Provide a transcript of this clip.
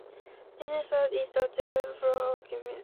"Gennesaret" is the Grecized form of Kinneret.